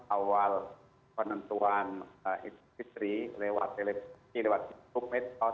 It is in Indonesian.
awal penentuan fitri lewat televisi lewat youtube